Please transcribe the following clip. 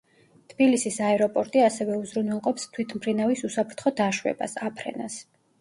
თბილისის აეროპორტი ასევე უზრუნველყოფს თვითმფრინავის უსაფრთხო დაშვებას, აფრენას.